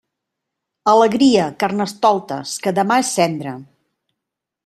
Alegria, carnestoltes, que demà és cendra.